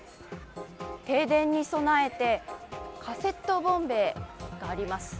停電に備えて、カセットボンベがあります。